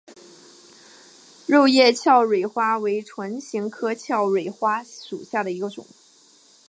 肉叶鞘蕊花为唇形科鞘蕊花属下的一个种。